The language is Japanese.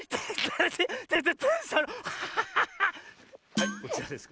はいこちらです。